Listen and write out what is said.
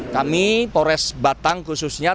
kami polres batang khususnya